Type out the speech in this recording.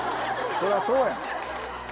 そりゃそうや。